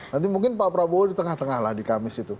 nanti mungkin pak prabowo di tengah tengah lah di kamis itu